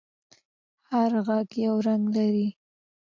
هر غږ یو رنگ لري.